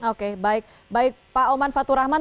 oke baik baik pak oman fathurrahman